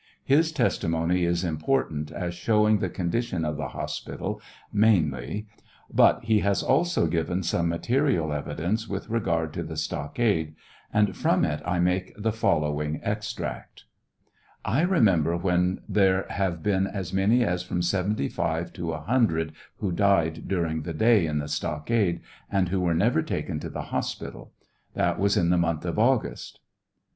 His testimony is important as showing the condition of the hospital, mainly, but he has also given some material evidence with regard to the stockade, and from it 1 make the following extract : I remember when there have been as many as from 75 to 100 who died during the day in the stockade, and who were never taken to the hospital ; that was in the month of August.